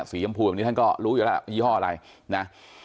ยำพูแบบนี้ท่านก็รู้อยู่แล้วยี่ห้ออะไรนะ